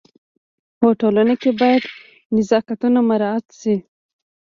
په ټولنه کي باید نزاکتونه مراعت سي.